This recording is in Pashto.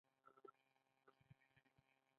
د خدای ذکر د زړه رڼا ده.